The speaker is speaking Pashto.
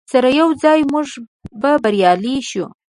سره یوځای موږ به بریالي شو.